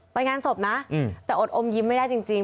ไปงานศพนะแต่อดอมยิ้มไม่ได้จริง